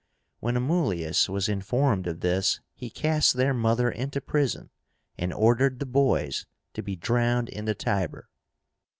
When Amulius was informed of this, he cast their mother into prison, and ordered the boys to be drowned in the Tiber.